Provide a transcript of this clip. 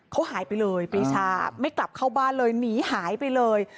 เขาหายไปเลยปรีชาไม่กลับเข้าบ้านเลยหนีหายไปเลย